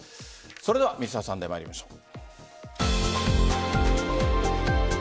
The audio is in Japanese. それでは「Ｍｒ．サンデー」参りましょう。